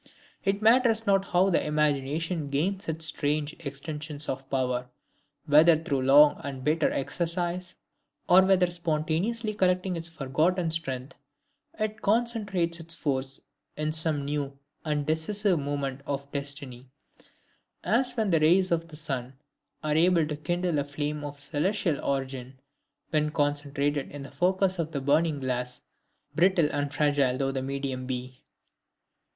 It matters not how the imagination gains its strange extension of power, whether through long and bitter exercise, or, whether spontaneously collecting its forgotten strength, it concentrates its force in some new and decisive moment of destiny: as when the rays of the sun are able to kindle a flame of celestial origin when concentrated in the focus of the burning glass, brittle and fragile though the medium be.